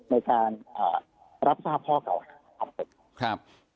ในการรับทราบพ่อเก่าครับ